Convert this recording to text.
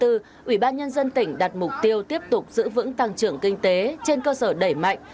năm hai nghìn hai mươi bốn ủy ban nhân dân tỉnh đặt mục tiêu tiếp tục giữ vững tăng trưởng kinh tế trên cơ sở đẩy mạnh